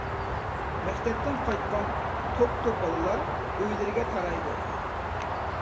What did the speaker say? مەكتەپتىن قايتقان توپ-توپ بالىلار ئۆيلىرىگە تارايدۇ.